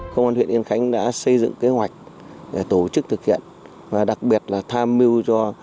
công an huyện yên khánh đã xây dựng kế hoạch tổ chức thực hiện và đặc biệt là tham mưu cho